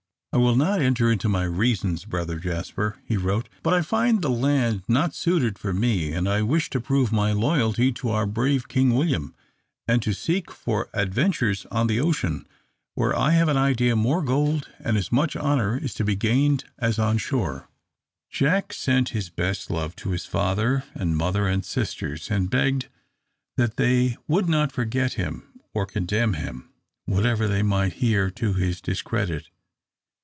"I will not enter into my reasons, brother Jasper," he wrote; "but I find the land not suited for me, and I wish to prove my loyalty to our brave King William, and to seek for adventures on the ocean, where, I have an idea, more gold, and as much honour is to be gained as on shore." Jack sent his best love to his father and mother and sisters, and begged that they would not forget him, or condemn him, whatever they might hear to his discredit.